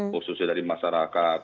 khususnya dari masyarakat